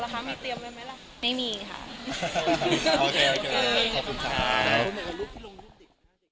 โปรดติดตามตอนต่อไป